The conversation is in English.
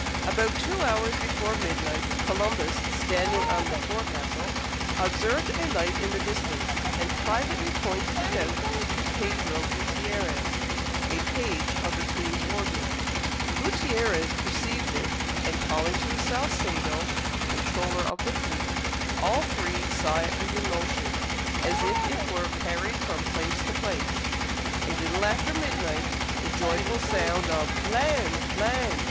About two hours before midnight, Columbus, standing on the forecastle, observed a light in the distance, and privately pointed it out to Pedro Guttierez, a page of the Queen's wardrobe. Guttierez perceived it, and calling to Salcedo, comptroller of the fleet, all three saw it in motion, as if it were carried from place to place. A little after midnight, the joyful sound of "Land! Land!"